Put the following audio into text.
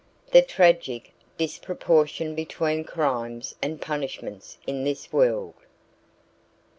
The tragic disproportion between crimes and punishments in this world!